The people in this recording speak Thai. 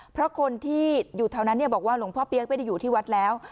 เพราะคนที่อยู่แถวนั้นบอกว่าหลวงพ่อเปี๊ยกไม่ได้อยู่ที่วัดแล้ว